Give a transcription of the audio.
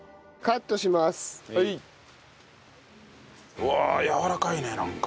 うわあやわらかいねなんか。